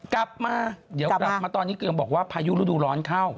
กลับมาเดี๋ยวกลับมาตอนนี้กำลังบอกว่าพายุฤดูร้อนเข้า